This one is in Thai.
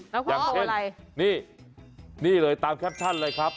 นะของอะไรนี่เลยตามแคปชั่นเลยครับ